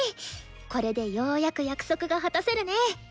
これでようやく約束が果たせるね！